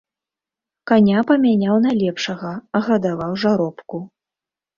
Каня памяняў на лепшага, гадаваў жаробку.